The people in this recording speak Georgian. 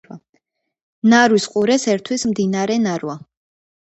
ნარვის ყურეს ერთვის მდინარე ნარვა.